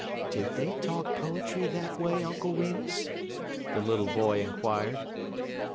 _'" "Did they talk poetry that way, Uncle Remus?" the little boy inquired.